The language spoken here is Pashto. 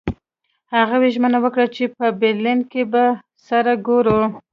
هغوی ژمنه وکړه چې په برلین کې به سره ګوري